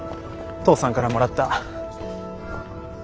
父さんからもらった。